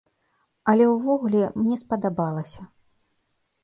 Але ўвогуле, мне спадабалася.